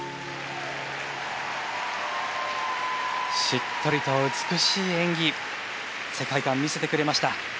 しっとりと美しい演技世界観を見せてくれました。